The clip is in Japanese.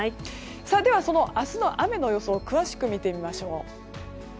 では、明日の雨の予想を詳しく見てみましょう。